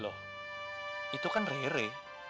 loh itu kan rere